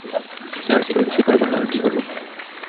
Sir security check করার কথা আমি কী করবো?